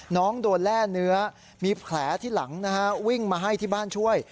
น้องโดนแร่เนื้อมีแผลที่หลังนะฮะวิ่งมาให้ที่บ้านช่วย